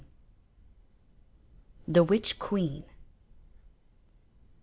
THE WITCH QUEEN.